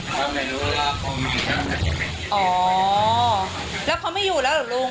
เขาไม่รู้ว่าเขาไม่อยู่แล้วหรอกลุง